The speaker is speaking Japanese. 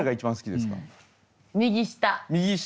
右下。